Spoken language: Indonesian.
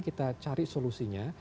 kita cari solusinya